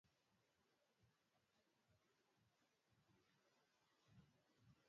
Hatua ya kutoa hukumu ya kuwanyonga wafungwa ilizua machafuko katika maeneo mengi nchini.